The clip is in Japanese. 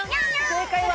正解は。